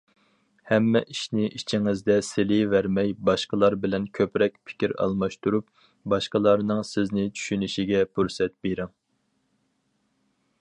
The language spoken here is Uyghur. ھەممە ئىشنى ئىچىڭىزگە سېلىۋەرمەي، باشقىلار بىلەن كۆپرەك پىكىر ئالماشتۇرۇپ، باشقىلارنىڭ سىزنى چۈشىنىشىگە پۇرسەت بېرىڭ.